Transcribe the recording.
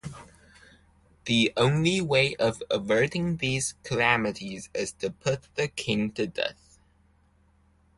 The only way of averting these calamities is to put the king to death.